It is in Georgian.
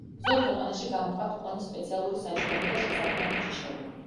ზოგ ქვეყანაში გამოჰყავთ პონის სპეციალური საჯდომი და შესაბმელი ჯიშები.